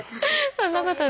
そんなことない。